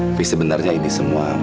tapi sebenarnya ini semua